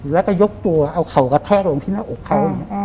แล้วก็ยกตัวเอาเข่ากระแทกลงที่หน้าอกเขาอย่างนี้